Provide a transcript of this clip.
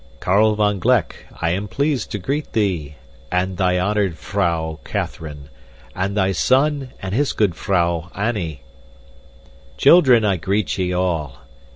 "Karel van Gleck, I am pleased to greet thee, and thy honored vrouw Kathrine, and thy son and his good vrouw Annie! "Children, I greet ye all!